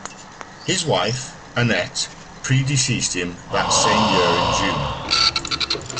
His wife, Annette, predeceased him that same year in June.